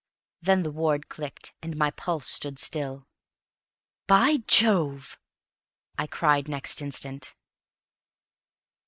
Then the ward clicked, and my pulse stood still. "By Jove!" I cried next instant.